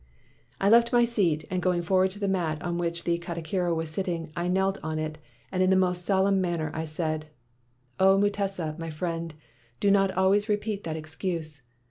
"I left my seat, and going forward to the mat on which the katikiro was sitting, I knelt on it, and in the most solemn man ner, I said, 'Oh, Mutesa, my friend, do not always repeat that excuse